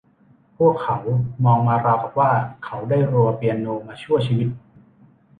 พวกเขามองมาราวกับว่า เขาได้รัวเปียโนมาชั่วชีวิต